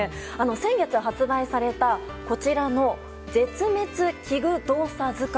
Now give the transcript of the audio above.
先月発売されたこちらの「絶滅危惧動作図鑑」。